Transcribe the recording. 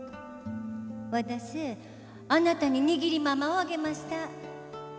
ワダスあなたに握りままをあげました